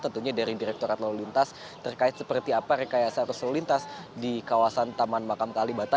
tentunya dari direkturat lulintas terkait seperti apa rekayasa arus lulintas di kawasan taman makam kalibata